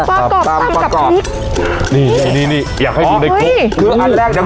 ต้๋มกับพริกนี่นี่นี่นี่อยากให้คุณเลยครบ